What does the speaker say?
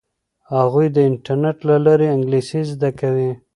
هغوی د انټرنیټ له لارې انګلیسي زده کوي.